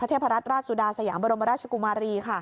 พระเทพรัชราชสุดาสยามบรมรัชกุมารีค่ะ